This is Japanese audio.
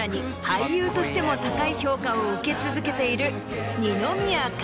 俳優としても高い評価を受け続けている。